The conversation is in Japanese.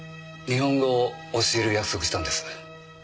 日本語を教える約束したんです。